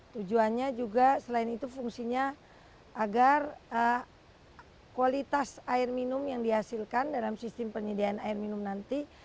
tujuannya juga selain itu fungsinya agar kualitas air minum yang dihasilkan dalam sistem penyediaan air minum nanti